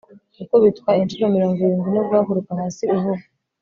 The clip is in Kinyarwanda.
gukubitwa inshuro mirongo irindwi no guhaguruka hasi uvuga